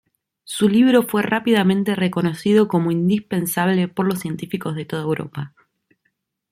Su libro fue rápidamente reconocido como indispensable por los científicos de toda Europa.